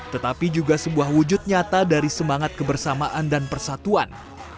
tetapi juga sebuah wujud nyata dari semangat kebersamaan dan persatuan